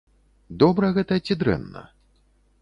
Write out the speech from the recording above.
Добра гэта ці дрэнна?